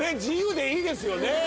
自由でいいですよね